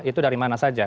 itu dari mana saja